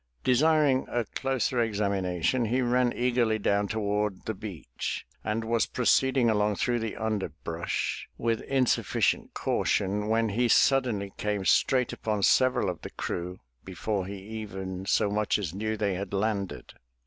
Desiring a closer examina tion, he ran eagerly down toward the beach, and was proceeding along through the underbrush with insufficient caution, when he suddenly came straight upon several of the crew before he even so much as knew they had landed.